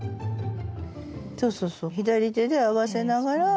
そうそうそう左手で合わせながら。